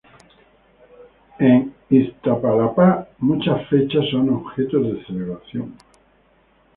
En Iztapalapa muchas fechas son objeto de celebración.